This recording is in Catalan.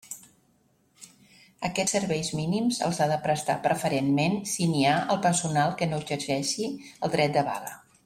Aquests serveis mínims els ha de prestar, preferentment, si n'hi ha, el personal que no exerceixi el dret de vaga.